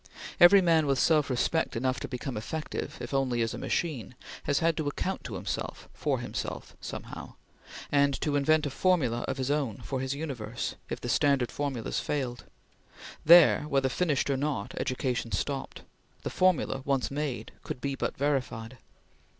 Every man with self respect enough to become effective, if only as a machine, has had to account to himself for himself somehow, and to invent a formula of his own for his universe, if the standard formulas failed. There, whether finished or not, education stopped. The formula, once made, could be but verified.